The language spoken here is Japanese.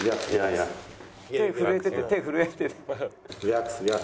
いやいや。